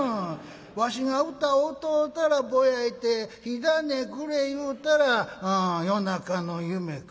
わしが唄歌うたらぼやいて火種くれ言うたら夜中の夢か。